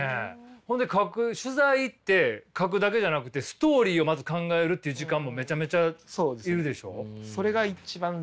ほんで描く取材行って描くだけじゃなくてストーリーをまず考えるっていう時間もめちゃめちゃ要るでしょう？